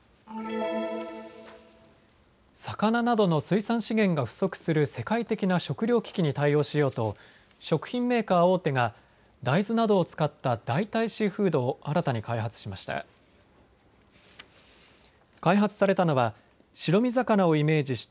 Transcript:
魚などの水産資源が不足する世界的な食料危機に対応しようと食品メーカー大手が大豆などを使った代替シーフードを新たに開発しました。